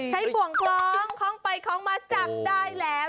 ใช้ปว่องคล้องคล่องไปคล่องมาจับได้แล้ว